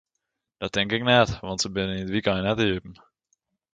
Dat tink ik net, want se binne yn it wykein net iepen.